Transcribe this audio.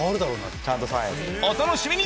お楽しみに！